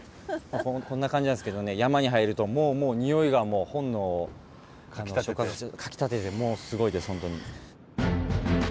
こんな感じなんですけど山に入るとにおいがもう本能をかきたててもうすごいです本当に。